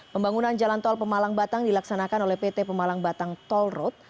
pembangunan jalan tol pemalang batang dilaksanakan oleh pt pemalang batang toll road